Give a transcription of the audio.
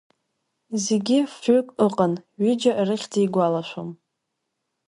Зегьы фҩык ыҟан ҩыџьа рыхьӡ игәалашәом.